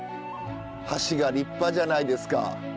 橋が立派じゃないですか。